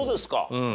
うん。